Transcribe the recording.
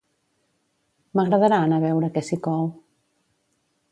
M'agradarà anar a veure què s'hi cou